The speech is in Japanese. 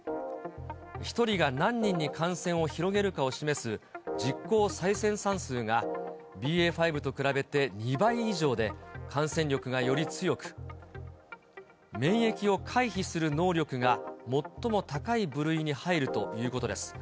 １人が何人に感染を広げるかを示す実効再生産数が、ＢＡ．５と比べて２倍以上で、感染力がより強く、免疫を回避する能力が最も高い部類に入るということです。